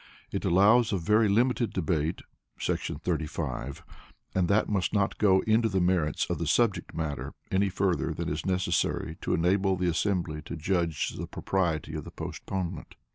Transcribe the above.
It allows of very limited debate [§ 35], and that must not go into the merits of the subject matter any further than is necessary to enable the assembly to judge the propriety of the postponement.